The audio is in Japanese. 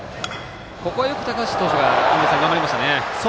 ここは高橋投手が頑張りましたね。